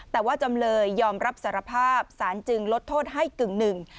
แต่ว่าจำเลยยอมรับสารภาพสารจึงลดโทษให้กึ่งหนึ่ง